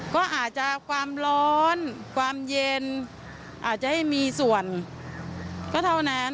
ก็อาจจะความร้อนความเย็นอาจจะให้มีส่วนก็เท่านั้น